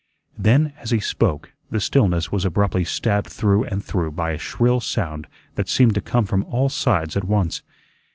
Then, as he spoke, the stillness was abruptly stabbed through and through by a shrill sound that seemed to come from all sides at once.